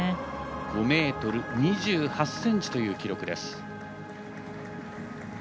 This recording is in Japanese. ５ｍ２８ｃｍという記録です。